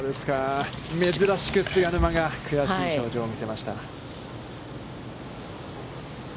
珍しく菅沼が、悔しい表情を見せました。